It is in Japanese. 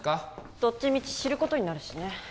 どっちみち知ることになるしね